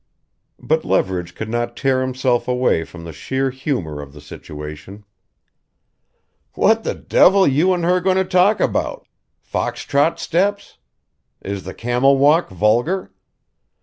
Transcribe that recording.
But Leverage could not tear himself away from the sheer humor of the situation: "What the devil you and her going to talk about? Foxtrot steps? Is the camel walk vulgar?